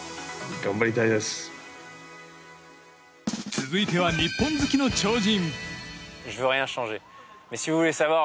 続いては、日本好きの超人。